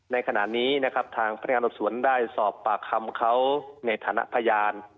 ในขณะนี้นะครับทางพนักงานสอบสวนได้สอบปากคำเขาในฐานะพยาน